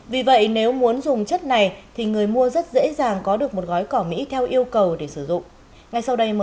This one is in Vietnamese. vì vậy nếu muốn dùng chất này thì người mua rất dễ dàng có được một gói cỏ mỹ theo yêu cầu để sử dụng